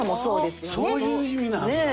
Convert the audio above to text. そういう意味なんだ！